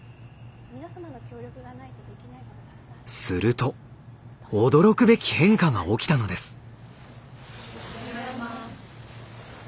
すると驚くべき変化が起きたのです。